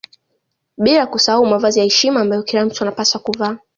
Bila kusahau mavazi ya heshima ambayo kila mtu anapaswa kuvaa